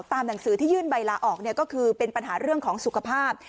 หนังสือที่ยื่นใบลาออกก็คือเป็นปัญหาเรื่องของสุขภาพ